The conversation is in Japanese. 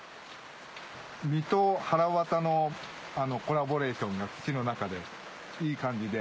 身とはらわたのコラボレーションが口の中でいい感じで。